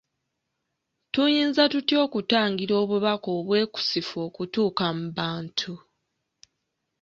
Tuyinza tutya okutangira obubaka obwekusifu okutuuka mu bantu.